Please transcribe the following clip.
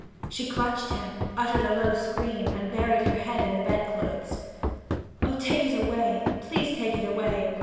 She clutched him, uttered a low scream, and buried her head in the bedclothes. 'Oh, take it away please take it away!'